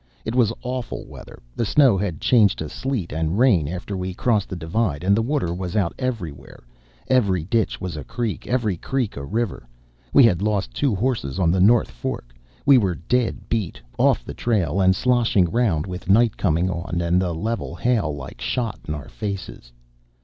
It was awful weather; the snow had changed to sleet and rain after we crossed the divide, and the water was out everywhere; every ditch was a creek, every creek a river. We had lost two horses on the North Fork, we were dead beat, off the trail, and sloshing round, with night coming on, and the level hail like shot in our faces.